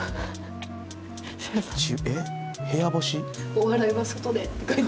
「お笑いは外で！」って書いてある。